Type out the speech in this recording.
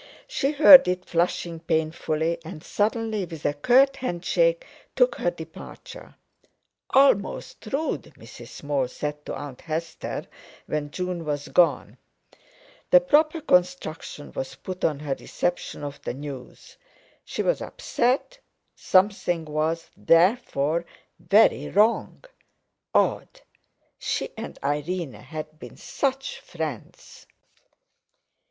She heard it flushing painfully, and, suddenly, with a curt handshake, took her departure. "Almost rude!" Mrs. Small said to Aunt Hester, when June was gone. The proper construction was put on her reception of the news. She was upset. Something was therefore very wrong. Odd! She and Irene had been such friends!